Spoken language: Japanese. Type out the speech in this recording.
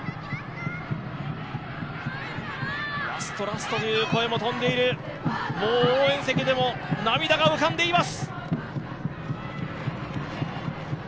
ラスト、ラストという声も飛んでいるもう応援席でも涙が浮かんでいます。